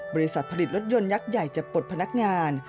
บริษัทผลิตรถยนต์ยักษ์ใหญ่จะปลดพนักงาน